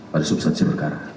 pada substansi perkara